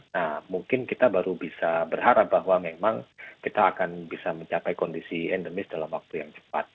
nah mungkin kita baru bisa berharap bahwa memang kita akan bisa mencapai kondisi endemis dalam waktu yang cepat